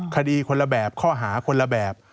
คดีคนละแบบข้อหาคนละแบบ